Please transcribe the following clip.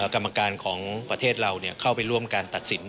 กรรมการของประเทศเราเข้าไปร่วมการตัดสิน